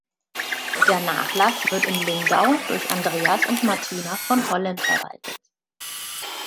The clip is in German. Der Nachlass wird in Lindau durch Andreas und Martina von Hollen verwaltet.